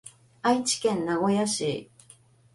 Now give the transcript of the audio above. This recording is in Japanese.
愛知県名古屋市